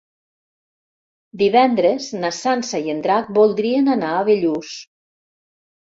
Divendres na Sança i en Drac voldrien anar a Bellús.